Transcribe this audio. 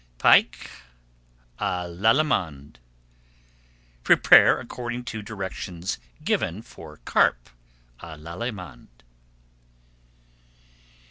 PIKE À L'ALLEMANDE Prepare according to directions given for Carp à l'Allemande.